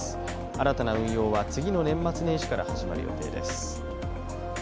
新たな運用は次の年末年始から始まる予定です